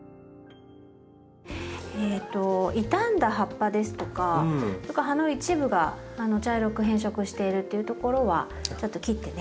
えと傷んだ葉っぱですとか葉の一部が茶色く変色しているっていうところはちょっと切ってね